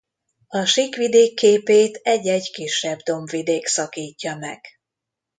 A síkvidék képét egy-egy kisebb dombvidék szakítja meg.